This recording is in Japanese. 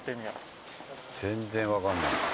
全然わからない。